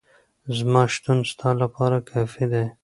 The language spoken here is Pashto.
زما شتون ستا لپاره کافي دی.